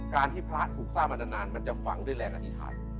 การที่พระถูกสร้างมานานมันจะฝังด้วยแรงอธิษฐาน